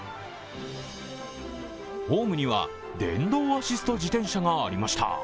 ホームには電動アシスト自転車がありました。